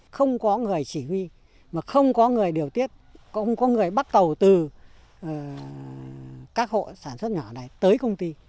không có người chỉ huy mà không có người điều tiết không có người bắt đầu từ các hộ sản xuất nhỏ này tới công ty